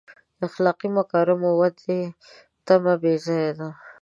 د اخلاقي مکارمو ودې تمه بې ځایه ده.